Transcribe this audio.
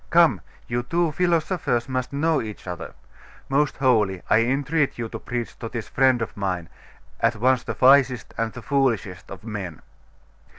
Come, you two philosophers must know each other. Most holy, I entreat you to preach to this friend of mine, at once the wisest and the foolishest of men.